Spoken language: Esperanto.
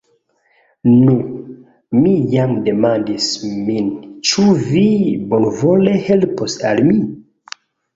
Nu, mi jam demandis min, ĉu vi bonvole helpos al mi?